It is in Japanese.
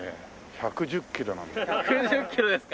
１１０キロですか？